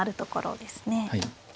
はい。